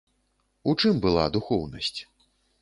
У чым была духоўнасць?